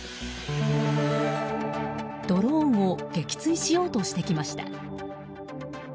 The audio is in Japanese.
ドローンを撃墜しようとしてきました。